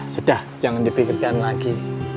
sudah jangan dipikirkan lagi